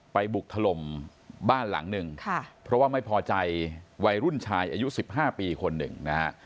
บุกถล่มบ้านหลังหนึ่งค่ะเพราะว่าไม่พอใจวัยรุ่นชายอายุ๑๕ปีคนหนึ่งนะฮะ